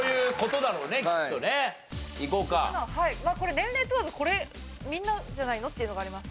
年齢問わずこれみんなじゃないの？っていうのがあります。